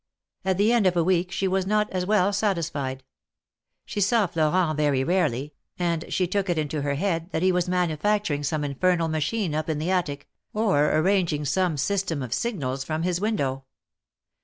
At the end of a week she was not as well satisfied. She saw Florent very rarely, and she took it into her head that he was manufacturing some infernal machine up in the attic, or arranging some system of signals from his window.